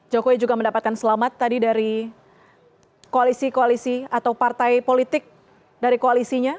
jokowi juga mendapatkan selamat tadi dari koalisi koalisi atau partai politik dari koalisinya